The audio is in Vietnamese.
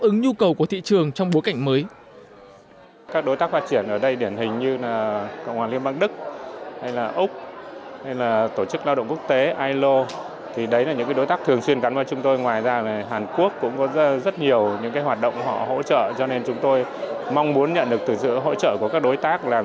ứng nhu cầu của thị trường trong bối cảnh mới